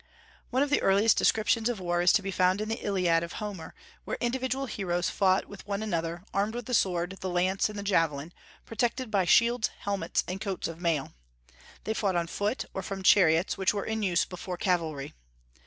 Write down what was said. One of the earliest descriptions of war is to be found in the Iliad of Homer, where individual heroes fought with one another, armed with the sword, the lance, and the javelin, protected by shields, helmets, and coats of mail. They fought on foot, or from chariots, which were in use before cavalry.